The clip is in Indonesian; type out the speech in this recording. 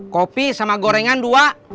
kopi sama gorengan dua